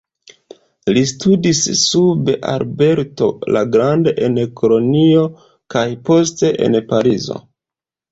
Li studis sub Alberto la Granda en Kolonjo kaj poste en Parizo.